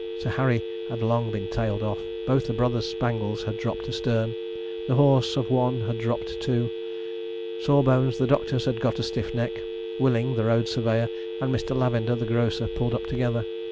Sir Harry had long been tailed off; both the brothers Spangles had dropped astern; the horse of one had dropped too; Sawbones, the doctor's, had got a stiff neck; Willing, the road surveyor, and Mr. Lavender, the grocer, pulled up together.